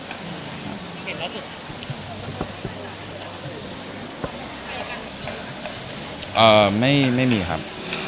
คุณสัมผัสดีครับ